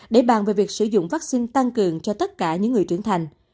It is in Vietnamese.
để bàn về việc sử dụng vaccine tăng cường cho tất cả những người trưởng thành